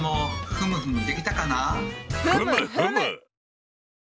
ふむふむ！